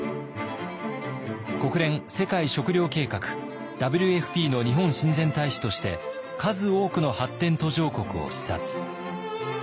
国連世界食糧計画＝ＷＦＰの日本親善大使として数多くの発展途上国を視察。